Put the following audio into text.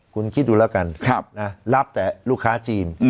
คุณคิดดูแล้วกันรับแต่ลูกค้าจีน